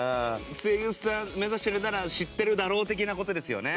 声優さん目指してるなら知ってるだろう的な事ですよね。